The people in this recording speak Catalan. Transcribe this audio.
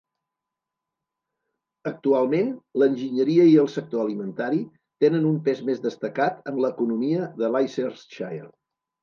Actualment l'enginyeria i el sector alimentari tenen un pes més destacat en l'economia de Leicestershire.